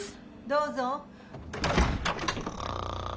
・どうぞ。